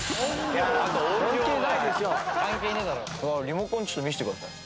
リモコンちょっと見せてください。